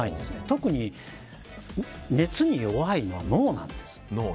特に、熱に弱いのは脳なんです。